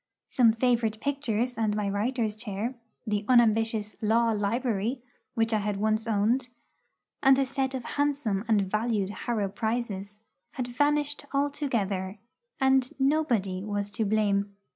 Some favourite pictures and my writer's chair the unambitious 'Law library' which I had once owned, and a set of handsome and valued Harrow prizes, had vanished altogether, and 'nobody' was to blame.